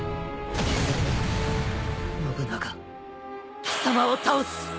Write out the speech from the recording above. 信長貴様を倒す！